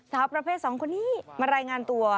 สหพระเพศ๒คนนี่มารายงานตัว